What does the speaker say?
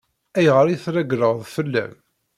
Ayɣer i treggel fell-am?